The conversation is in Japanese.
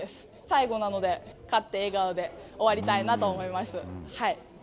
最後なので、勝って笑顔で終わりたいなと思います。